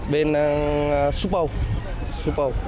bên súp âu